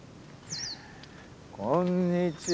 こんにちは。